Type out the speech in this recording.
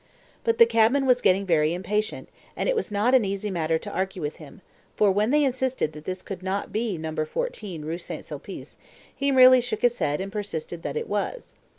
But the cabman was getting very impatient, and it was not an easy matter to argue with him, for when they insisted that this could not be 14 Rue St. Sulpice, he merely shook his head and persisted that it was.